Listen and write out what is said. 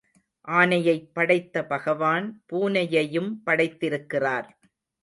ஆனையைப் படைத்த பகவான் பூனையையும் படைத்திருக்கிறார்.